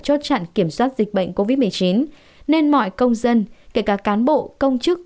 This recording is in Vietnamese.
chốt chặn kiểm soát dịch bệnh covid một mươi chín nên mọi công dân kể cả cán bộ công chức